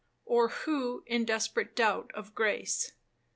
Or who, in desperate doubt of grace.